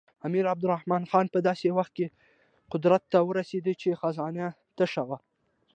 امیر عبدالرحمن خان په داسې وخت کې قدرت ته ورسېد چې خزانه تشه وه.